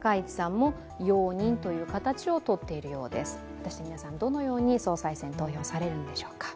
果たして皆さん、どのように総裁選、投票されるのでしょうか。